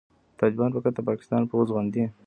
طالبان فقط د پاکستان د پوځ غوندې